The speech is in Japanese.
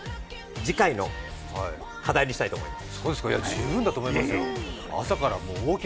次回の課題にしたいと思います。